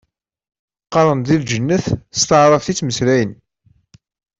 Qqaren-d deg lǧennet s taɛrabt i ttmeslayen.